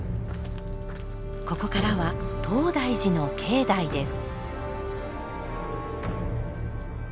ここからは東大寺の境内です。